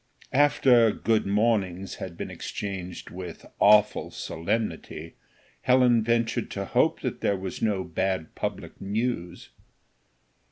After "Good mornings" had been exchanged with awful solemnity, Helen ventured to hope that there was no bad public news.